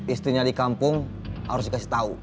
istrinya di kampung harus dikasih tahu